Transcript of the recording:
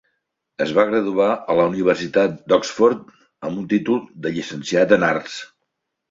Es va graduar a la Universitat d’Oxford amb un títol de llicenciat en arts.